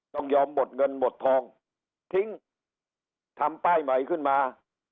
ต้องยอมหมดเงินหมดทองทิ้งทำป้ายใหม่ขึ้นมา